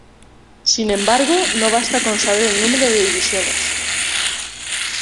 Sin embargo, no basta con saber el número de divisiones.